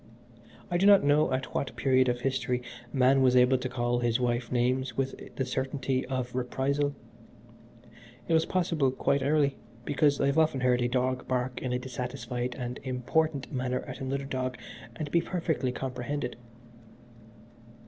I do not know at what period of history man was able to call his wife names with the certainty of reprisal. It was possible quite early, because I have often heard a dog bark in a dissatisfied and important manner at another dog and be perfectly comprehended.